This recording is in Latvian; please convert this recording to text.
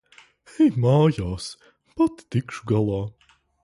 Ej mājās. Pati tikšu galā.